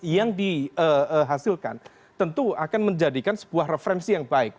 yang dihasilkan tentu akan menjadikan sebuah referensi yang baik